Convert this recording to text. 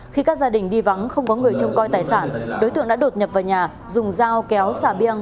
khi các gia đình đi vắng không có người trông coi tài sản đối tượng đã đột nhập vào nhà dùng dao kéo xà biang